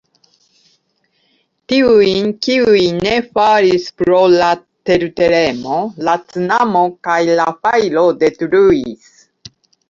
Tiujn, kiuj ne falis pro la tertremo, la cunamo kaj la fajro detruis.